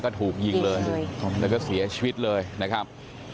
โดยเลหย์ไปเลยแล้วก็เสียชีวิตเลยนะครับ